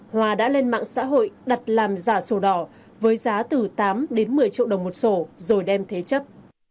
hòa đã lên mạng xã hội đặt làm giả sổ đỏ với giá từ tám đến một mươi triệu đồng một sổ rồi đem thế chấp